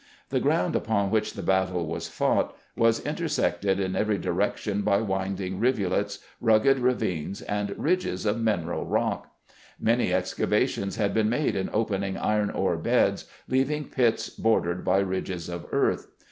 The ground upon which the battle was fought was in 50 CAMPAIGNING WITH GRANT tersected in every direction by winding rivulets, rugged ravines, and ridges of mineral rock. Many excavations had been made in opening iron ore beds, leaving pits bordered by ridges of eartb.